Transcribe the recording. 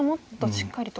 しっかりと。